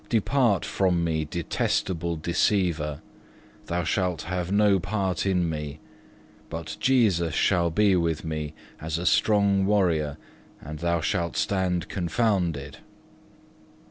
Depart from me, detestable deceiver; thou shalt have no part in me; but Jesus shall be with me, as a strong warrior, and thou shalt stand confounded.